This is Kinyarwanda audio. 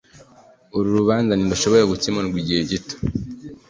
Uru rubanza ntirushobora gukemurwa igihe gito.